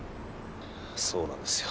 そうなんですよ。